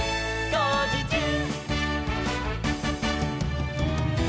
「こうじちゅう！！」